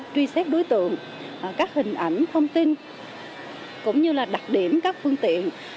truy xét đối tượng các hình ảnh thông tin cũng như là đặc điểm các phương tiện